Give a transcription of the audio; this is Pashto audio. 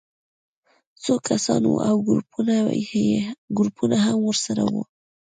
څو کسان وو او ګروپونه هم ورسره وو